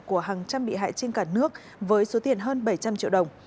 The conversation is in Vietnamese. của hàng trăm bị hại trên cả nước với số tiền hơn bảy trăm linh triệu đồng